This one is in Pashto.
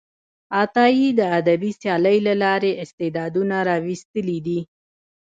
عطایي د ادبي سیالۍ له لارې استعدادونه راویستلي دي.